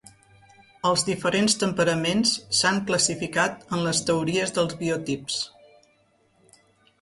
Els diferents temperaments s'han classificat en les teories dels biotips.